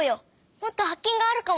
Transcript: もっとはっけんがあるかも！